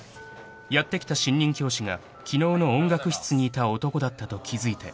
［やって来た新任教師が昨日の音楽室にいた男だったと気付いて］